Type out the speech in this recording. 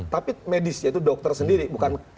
tapi medis yaitu dokter sendiri bukan